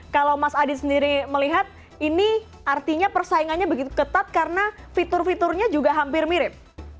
kalau mas adi sendiri melihat ini artinya persaingannya begitu ketat karena fitur fiturnya juga hampir mirip